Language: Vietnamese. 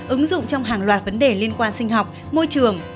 ứng dụng trong hàng loạt vấn đề liên quan sinh học môi trường